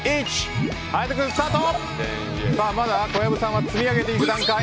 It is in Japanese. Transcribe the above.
まだ小籔さんは積み上げていく段階。